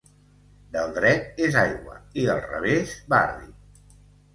Del dret és aigua i del revés barri.